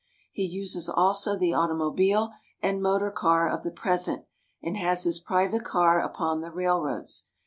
He uses also the automobile and motor car of the present, and has his private car upon the railroads.